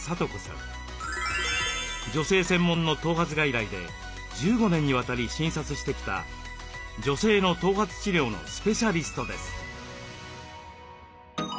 女性専門の頭髪外来で１５年にわたり診察してきた女性の頭髪治療のスペシャリストです。